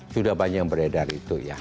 sudah banyak yang beredar itu ya